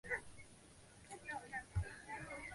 波克灵顿是英格兰东约克郡的一座小镇和民政教区。